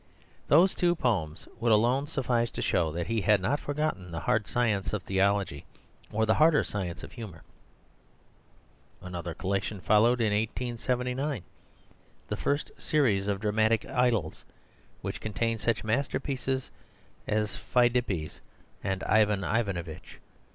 Those two poems would alone suffice to show that he had not forgotten the hard science of theology or the harder science of humour. Another collection followed in 1879, the first series of Dramatic Idylls, which contain such masterpieces as "Pheidippides" and "Ivàn Ivànovitch."